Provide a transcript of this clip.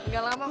gak lama kok